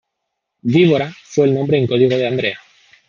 Víbora fue el nombre en código de Andrea.